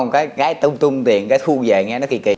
cái tung tiền cái thu về nghe nó kỳ kỳ